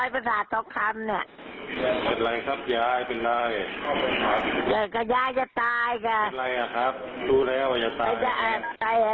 เป็นไรอ่ะครับรู้แล้วว่าจะตาย